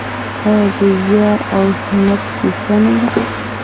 آیا د زیار او همت کیسه نه ده؟